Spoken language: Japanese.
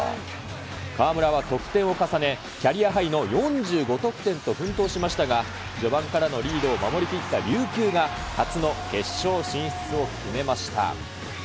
河村は得点を重ね、キャリアハイの４５得点と奮闘しましたが、序盤からのリードを守りきった琉球が初の決勝進出を決めました。